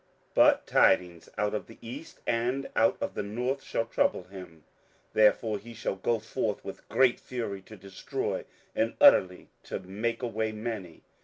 27:011:044 But tidings out of the east and out of the north shall trouble him: therefore he shall go forth with great fury to destroy, and utterly to make away many.